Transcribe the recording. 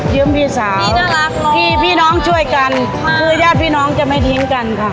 พี่สาวพี่น่ารักเลยพี่พี่น้องช่วยกันค่ะคือญาติพี่น้องจะไม่ทิ้งกันค่ะ